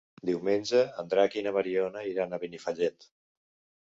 Diumenge en Drac i na Mariona iran a Benifallet.